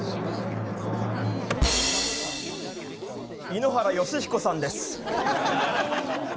井ノ原快彦さんです。